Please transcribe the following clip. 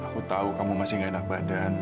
aku tahu kamu masih gak enak badan